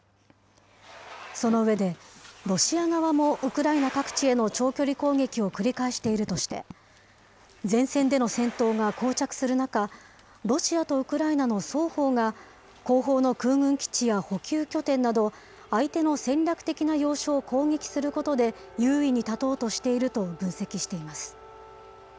その上で、ロシア側もウクライナ各地への長距離攻撃を繰り返しているとして、前線での戦闘がこう着する中、ロシアとウクライナの双方が、後方の空軍基地や補給拠点など、相手の戦略的な要所を攻撃することで、優位に立とうとしていると分析しています。